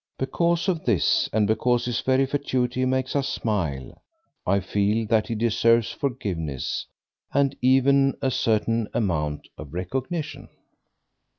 Because of this, and because his very fatuity makes us smile, I feel that he deserves forgiveness and even a certain amount of recognition.